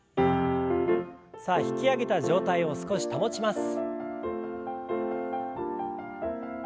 さあ引き上げた状態を少し保ちます。